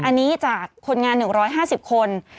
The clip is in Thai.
อันนี้จากคนงานหนึ่งร้อยห้าสิบคน